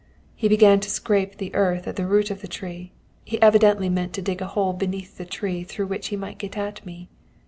"He began to scrape the earth at the root of the tree. He evidently meant to dig a hole beneath the tree through which he might get at me.